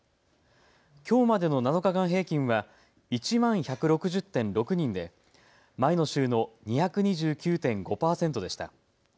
きょうまでの７日間平均は１万１６０．６人で前の週の２２９．５％でした。